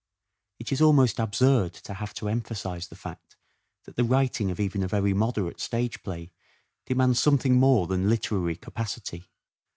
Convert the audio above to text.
It is almost absurd to have to emphasize the fact that the writing of even a very moderate stage play demands something more than literary capacity.